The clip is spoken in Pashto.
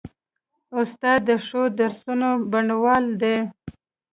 استاد د ښو درسونو بڼوال دی.